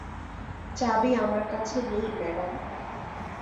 চাবি আমার কাছে নেই, ম্যাডাম।